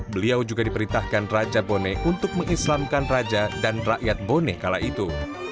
beliau juga diperintahkan raja boneh untuk mengislamkan raja dan rakyat boneh kala itu